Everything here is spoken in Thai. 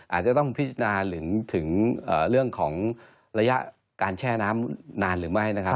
อาจจะต้องพิจารณาถึงเรื่องของระยะการแช่น้ำนานหรือไม่นะครับ